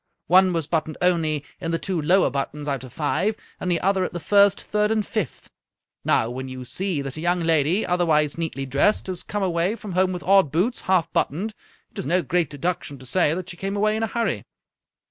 One was buttoned only in the two lower buttons out of five, and the other at the first, third, and fifth. Now, when you see that a young lady, otherwise neatly dressed, has come away from home with odd boots, half buttoned, it is no great deduction to say that she came away in a hurry."